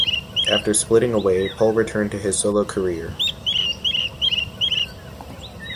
After splitting away, Paul returned to his solo career.